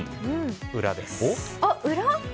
裏です。